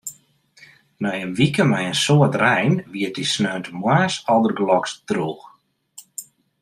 Nei in wike mei in soad rein wie it dy sneontemoarns aldergelokst drûch.